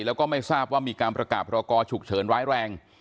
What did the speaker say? แล้วก็ไม่ทราบว่ามีการประกาศพรกรฉุกเฉินร้ายแรง